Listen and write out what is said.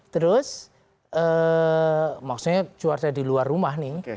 terus maksudnya cuaca di luar rumah nih